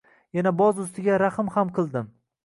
Yana boz ustiga rahm ham qildim: